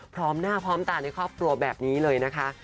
พร้อมหน้าพร้อมตาในครอบครัวแบบนี้เลยนะคะ